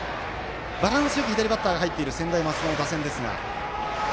バランスよく、左バッターが入っている専大松戸の打線ですが。